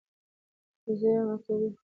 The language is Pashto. چې زه يمه کريم .